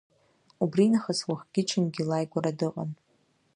Убри нахыс уахгьы-ҽынгьы лааигәара дыҟан.